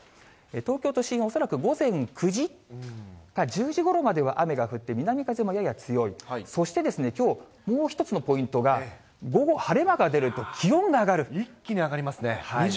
東京都心、恐らく午前９時か１０時ごろまでは雨が降って、南風もやや強い、そしてきょうもう一つのポイントが、午後、晴れ間が出ると気温が一気に上がりますね。